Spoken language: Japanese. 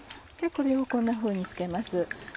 これをこんなふうに付けます。